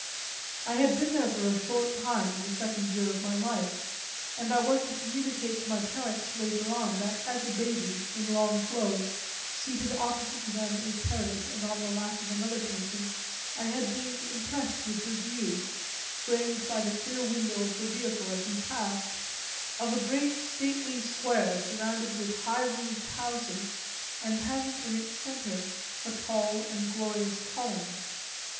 I had been there for a short time in the second year of my life, and I was to communicate to my parents later on that as a baby in long clothes, seated opposite to them in a carriage and on the lap of another person, I had been impressed with the view, framed by the clear window of the vehicle as we passed, of a great stately square surrounded with high roofed houses and having in its centre a tall and glorious column.